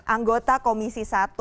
anggota komisi satu